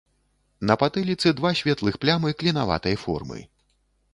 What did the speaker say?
На патыліцы два светлых плямы клінаватай формы.